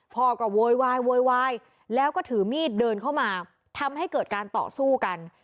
พ่อก็โวยวายโวยวายแล้วก็ถือมีดเดินเข้ามาทำให้เกิดการต่อสู้กัน